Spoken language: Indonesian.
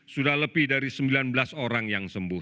sudah lebih dari sembilan belas orang yang sembuh